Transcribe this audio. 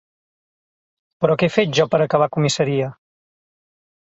Però què he fet jo per acabar a comissaria?